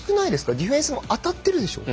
ディフェンスも当たっているでしょ？